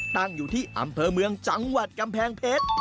ตั้งอยู่ที่อำเภอเมืองจังหวัดกำแพงเพชร